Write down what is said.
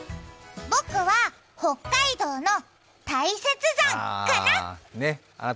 僕は北海道の大雪山かな。